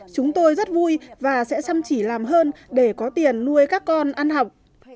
chúng tôi rất vui và sẽ chăm chỉ làm hơn để có tiền nuôi các con ăn học